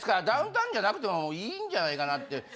ダウンタウンじゃなくてもいいんじゃないかなって。